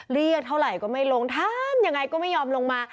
เรียกเท่าไหร่ก็ไม่ลงถามยังไงก็ไม่ยอมลงมา